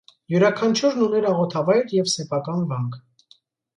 Յուրաքանչյուրն ուներ աղոթավայր և սեփական վանք։